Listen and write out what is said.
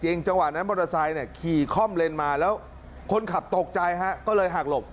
จังหวะนั้นมอเตอร์ไซค์ขี่คล่อมเลนมาแล้วคนขับตกใจฮะก็เลยหักหลบ